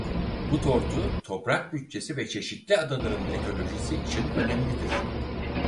Bu tortu toprak bütçesi ve çeşitli adaların ekolojisi için önemlidir.